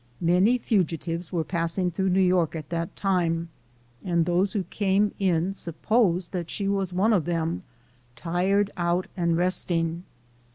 Many fugitives were passing through New York at that time, and those who came in sup posed that she was one of them, tired out and resting.